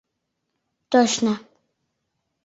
— Точно.